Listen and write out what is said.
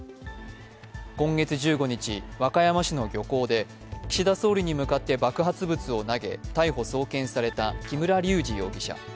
今月１５日、和歌山市の漁港で岸田総理に向かって爆発物を投げ逮捕・送検された木村隆二容疑者。